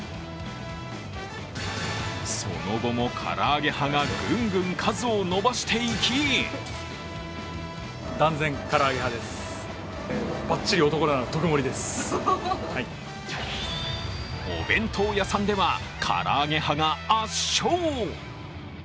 その後も、から揚げ派がぐんぐん数を伸ばしていきお弁当屋さんでは、から揚げ派が圧勝。